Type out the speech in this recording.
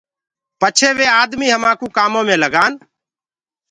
پڇي وي آمي همآڪوُ ڪآمو ڪمي لگآن۔